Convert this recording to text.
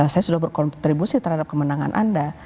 saya sudah berkontribusi terhadap kemenangan anda